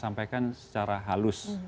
sampaikan secara halus